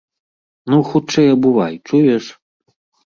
Ну, хутчэй абувай, чуеш!